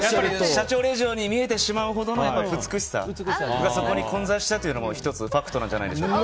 社長令嬢に見えてしまうほどのやっぱり美しさが、そこに混在したというのも、一つファクトなんじゃないでしょうか。